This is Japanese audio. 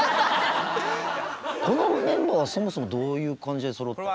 このメンバーはそもそもどういう感じでそろったの？